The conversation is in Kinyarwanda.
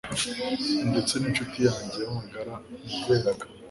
Ndetse n’incuti yanjye y’amagara nizeraga